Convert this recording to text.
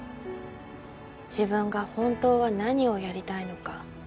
自分が本当は何をやりたいのか。